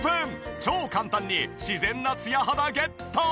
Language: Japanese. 超簡単に自然なツヤ肌ゲット！